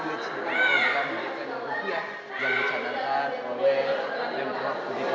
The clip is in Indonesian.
untuk menangkap penerbangan di dalam unit tipe tiga puluh enam di kotak kelecina